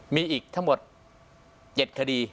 มีอีกทั้งหมด๗คดี